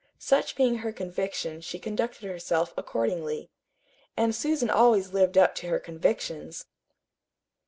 Such being her conviction she conducted herself accordingly. And Susan always lived up to her convictions.